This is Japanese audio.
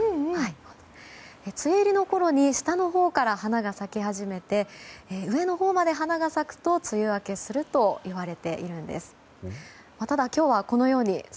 梅雨入りのころに下のほうから花が咲き始めて上のほうまで花が咲くと梅雨明けするといわれているんです。